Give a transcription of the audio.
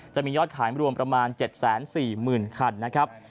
จะมียอดขายรวมประมาณ๗๔๐๐๐คันนะครับ